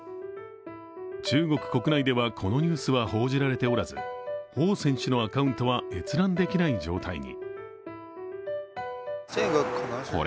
中国国内ではこのニュースは報じられておらず彭選手のアカウントは閲覧できない状態に。